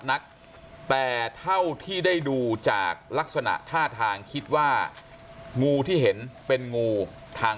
นักแต่เท่าที่ได้ดูจากลักษณะท่าทางคิดว่างูที่เห็นเป็นงูทาง